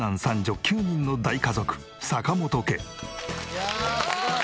いやあすごい！